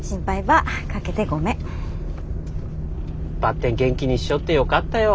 ばってん元気にしちょってよかったよ。